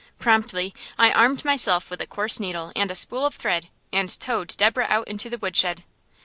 Promptly I armed myself with a coarse needle and a spool of thread, and towed Deborah out into the woodshed.